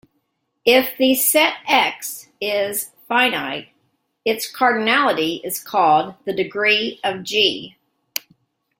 If the set "X" is finite, its cardinality is called the "degree" of "G".